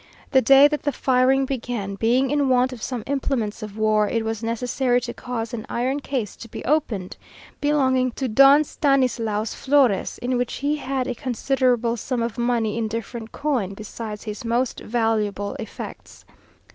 The day that the firing began, being in want of some implements of war, it was necessary to cause an iron case to be opened, belonging to Don Stanislaus Flores, in which he had a considerable sum of money in different coin, besides his most valuable effects.